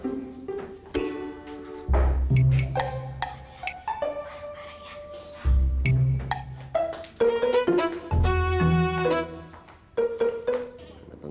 jangan terlalu banyak